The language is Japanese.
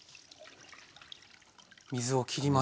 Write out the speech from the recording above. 水をきります。